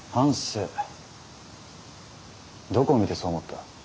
どこを見てそう思った。